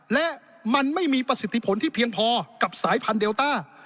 และมันไม่มีประสิทธิผลที่เพียงพอกับสายพันธุเดลต้า